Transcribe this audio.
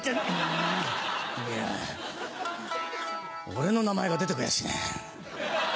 いや俺の名前が出て来やしねえ。